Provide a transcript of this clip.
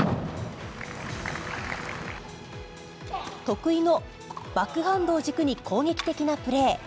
得意のバックハンドを軸に攻撃的なプレー。